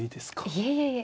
いえいえいえ。